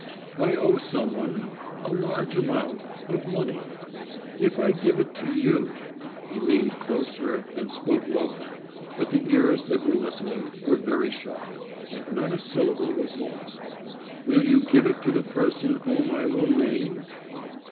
I owe someone—a large amount—of money. If I give it to you—" (he leaned closer and spoke lower, but the ears that were listening were very sharp, and not a syllable was lost) "will you give it to the person whom I will name?"